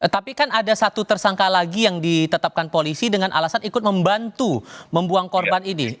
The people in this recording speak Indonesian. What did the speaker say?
tapi kan ada satu tersangka lagi yang ditetapkan polisi dengan alasan ikut membantu membuang korban ini